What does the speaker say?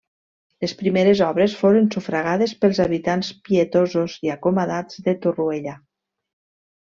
Les primeres obres foren sufragades pels habitants pietosos i acomodats de Torroella.